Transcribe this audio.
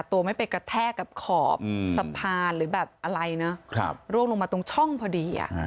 ตัวไม่ไปกระแทกกับขอบสะพานหรือแบบอะไรนะร่วงลงมาตรงช่องพอดี